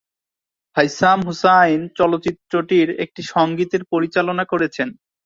হাইসাম হুসাইন চলচ্চিত্রটির একটি সঙ্গীতের পরিচালনা করেছেন।